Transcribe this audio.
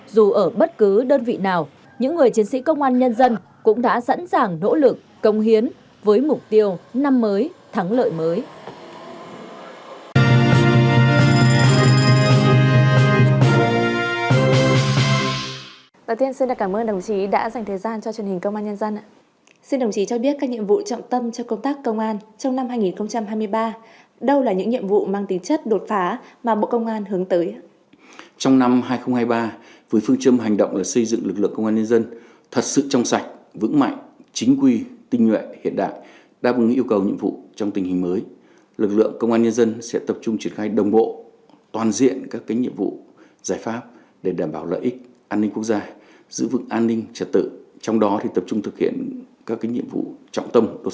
dù ở bất cứ đơn vị nào những người chiến sĩ công an nhân dân cũng đã sẵn sàng nỗ lực công hiến